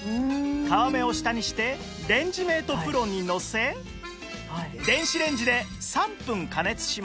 皮目を下にしてレンジメート ＰＲＯ にのせ電子レンジで３分加熱します